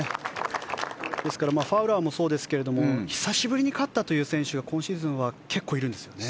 ですからファウラーもそうですが久しぶりに勝った選手が今シーズンは結構いるんですよね。